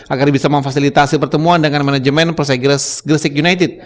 agar bisa memfasilitasi pertemuan dengan manajemen persegilas gresik united